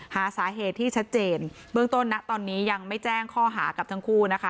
หาสาเหตุที่ชัดเจนเบื้องต้นนะตอนนี้ยังไม่แจ้งข้อหากับทั้งคู่นะคะ